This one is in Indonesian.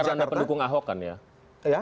bukan karena anda pendukung ahok kan ya